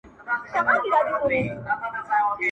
اصيله ځان دي کچه کی، چي کميس دي الچه کی.